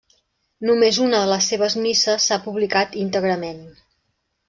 Només una de les seves misses s'ha publicat íntegrament.